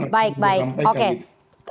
oke baik baik oke